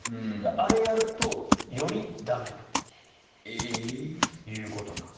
あれをやるとより駄目ということなんです。